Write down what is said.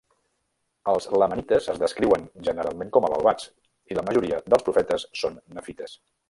Els lamanites es descriuen generalment com a malvats, i la majoria dels profetes són nefites.